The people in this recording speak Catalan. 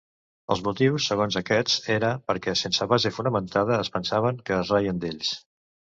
Els motius, segons aquests, eren perquè, sense base fonamentada, es pensaven que es reien d'ells.